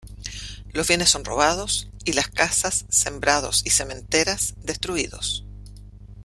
Los bienes son robados y las casas, sembrados y sementeras destruidos.